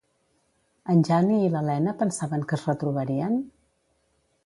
En Jani i l'Elena pensaven que es retrobarien?